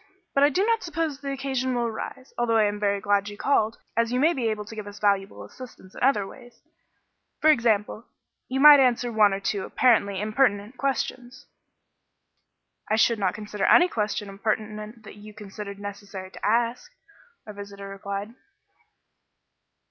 But I do not suppose the occasion will arise, although I am very glad you called, as you may be able to give us valuable assistance in other ways. For example, you might answer one or two apparently impertinent questions." "I should not consider any question impertinent that you considered necessary to ask," our visitor replied.